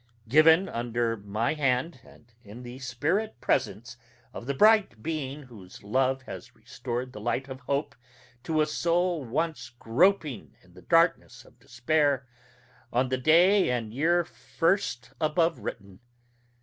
Given under my hand, and in the spirit presence of the bright being whose love has restored the light of hope to a soul once groping in the darkness of despair, on the day and year first above written.